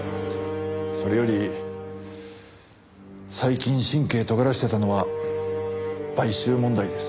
それより最近神経とがらせてたのは買収問題です。